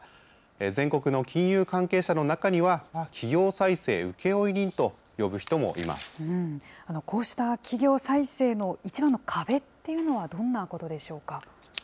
全国の金融関係者の中には、企業こうした企業再生の一番の壁っていうのはどんなことでしょうか。